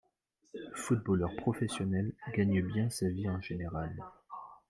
Le footballeur professionnel gagne bien sa vie en général